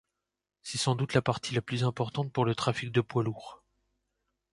C'est sans doute la partie la plus importante pour le trafic de poids lourds.